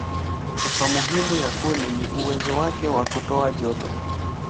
Sifa muhimu ya kuni ni uwezo wake wa kutoa joto.